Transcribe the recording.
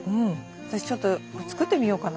私ちょっと作ってみようかな。